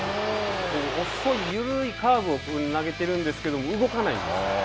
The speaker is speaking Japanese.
遅い、緩いカーブを投げてるんですけども動かないんです。